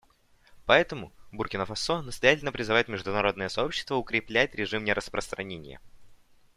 Поэтому Буркина-Фасо настоятельно призывает международное сообщество укреплять режим нераспространения.